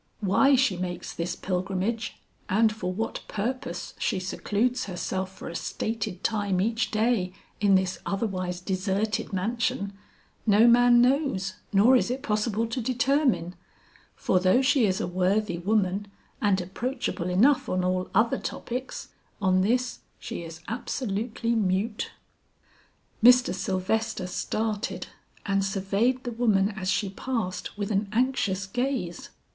Why she makes this pilgrimage and for what purpose she secludes herself for a stated time each day in this otherwise deserted mansion, no man knows nor is it possible to determine, for though she is a worthy woman and approachable enough on all other topics, on this she is absolutely mute." Mr. Sylvester started and surveyed the woman as she passed with an anxious gaze.